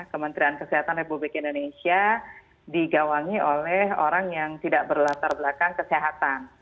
kementerian kesehatan republik indonesia digawangi oleh orang yang tidak berlatar belakang kesehatan